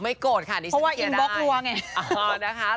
ไม่โกรธค่ะนี่ฉันกลียดา